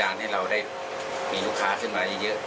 ท่านก็ลมดาลให้เรามีลูกค้าขึ้นมาเยอะ